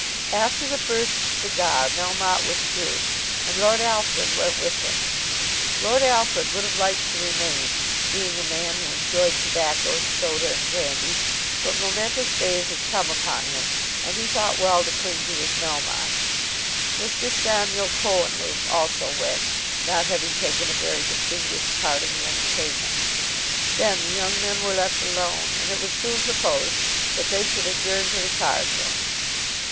After the first cigar, Melmotte withdrew, and Lord Alfred went with him. Lord Alfred would have liked to remain, being a man who enjoyed tobacco and soda and brandy, but momentous days had come upon him, and he thought it well to cling to his Melmotte. Mr. Samuel Cohenlupe also went, not having taken a very distinguished part in the entertainment. Then the young men were left alone, and it was soon proposed that they should adjourn to the cardroom.